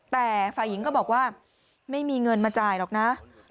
แต่ฝ่ายหญิงก็บอกว่าไม่มีเงินมาจ่ายหรอกนะ